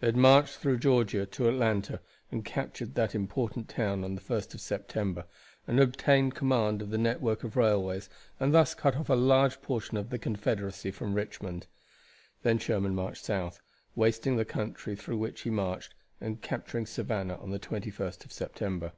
They had marched through Georgia to Atlanta and captured that important town on the 1st of September, and obtained command of the network of railways, and thus cut off a large portion of the Confederacy from Richmond. Then Sherman marched south, wasting the country through which he marched, and capturing Savannah on the 21st of September.